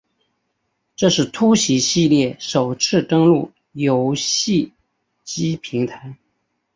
这是突袭系列首次登陆游戏机平台。